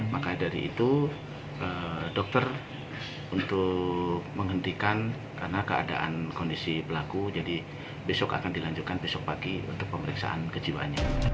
makanya dari itu dokter untuk menghentikan karena keadaan kondisi pelaku jadi besok akan dilanjutkan besok pagi untuk pemeriksaan kejiwaannya